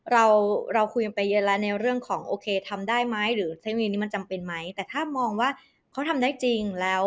เราเราคุยกันไปเยอะแล้วในเรื่องของโอเคทำได้ไหมหรือเทคโนโลยีนี้มันจำเป็นไหมแต่ถ้ามองว่าเขาทำได้จริงแล้ว